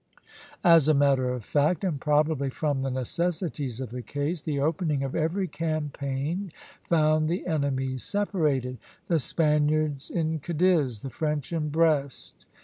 As a matter of fact, and probably from the necessities of the case, the opening of every campaign found the enemies separated, the Spaniards in Cadiz, the French in Brest.